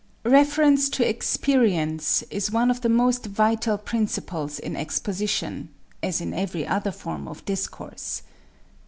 =Reference to Experience= is one of the most vital principles in exposition as in every other form of discourse.